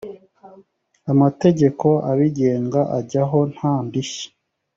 amategeko abigenga ajyaho nta ndishyi